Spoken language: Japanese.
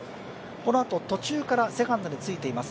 このあと、途中からセカンドについています